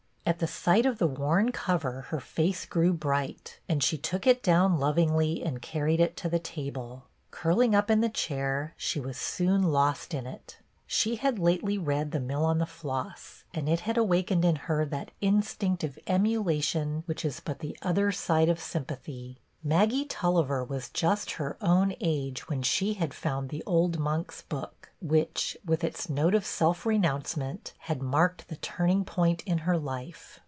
At the sight of the worn cover her face grew bright, and she took it down lovingly and carried it to the table; curling up in the chair she was soon lost in it. She had lately read " The Mill on the Floss," and it had awakened in her " that instinct of emulation which is but the other BETTY HEARS GREAT NEWS 9 side of sympathy." Maggie Tulliver was just her own age when she had found the old monk's book, which, with its note of self renouncement, had marked the turning point in her life.